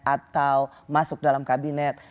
atau masuk dalam kabinet